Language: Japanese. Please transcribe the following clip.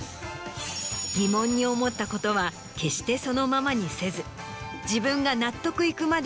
疑問に思ったことは決してそのままにせず。